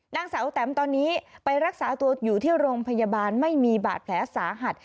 นางสาวแตมตอนนี้ไปรักษาตัวอยู่ที่โรงพยาบาลไม่มีบาดแผลสาหัส